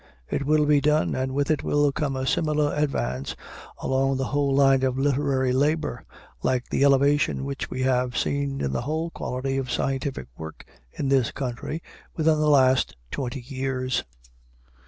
It will be done, and with it will come a similar advance along the whole line of literary labor, like the elevation which we have seen in the whole quality of scientific work in this country within the last twenty years.